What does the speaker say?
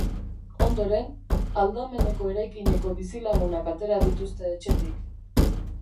Ondoren, aldameneko eraikineko bizilagunak atera dituzte etxetik.